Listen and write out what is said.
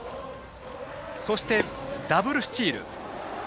そして、ダブルスチール。